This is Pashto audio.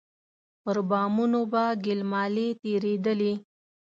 پر بامونو به ګيل مالې تېرېدلې.